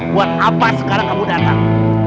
buat apa sekarang kamu datang